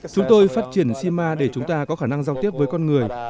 chúng tôi phát triển cima để chúng ta có khả năng giao tiếp với con người